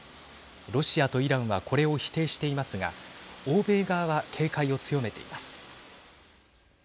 ロシアとイランはこれを否定していますが欧米側は警戒を強めています。